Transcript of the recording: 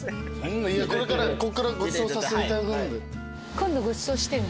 今度ごちそうしてね。